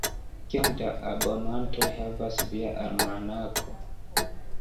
Kiom da abonantoj havas via almanako?